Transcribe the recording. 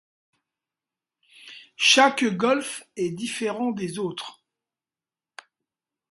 Chaque golf est différent des autres.